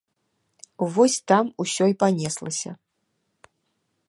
Вось там усё і панеслася.